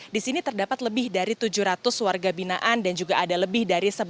di sini terdapat lebih dari tujuh ratus warga binaan dan juga ada lebih dari